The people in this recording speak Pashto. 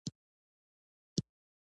اړین دي